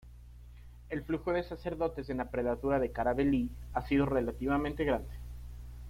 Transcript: El flujo de sacerdotes en la Prelatura de Caravelí ha sido relativamente grande.